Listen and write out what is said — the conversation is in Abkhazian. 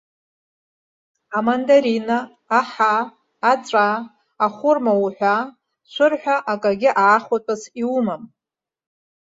Амандарина, аҳа, аҵәа, ахәырма уҳәа, шәырҳәа акгьы аахәатәыс иумам.